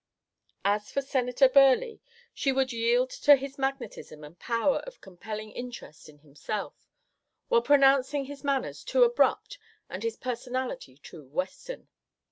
As for Senator Burleigh, she would yield to his magnetism and power of compelling interest in himself, while pronouncing his manners too abrupt and his personality too "Western."